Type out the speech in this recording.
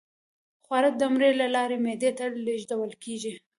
خواړه د مرۍ له لارې معدې ته لیږدول کیږي